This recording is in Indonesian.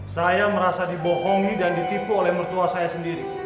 saya merasa dibohongi dan ditipu oleh mertua saya sendiri